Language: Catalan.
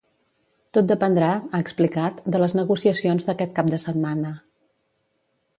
Tot dependrà, ha explicat, de les negociacions d’aquest cap de setmana.